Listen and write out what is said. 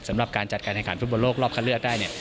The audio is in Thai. สำหรับการจัดการแข่งขันฟุตบอลโลกรอบคันเลือกได้เนี่ย